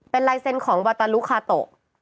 เป็นลายเซ็นต์ของวาตาลุคาโต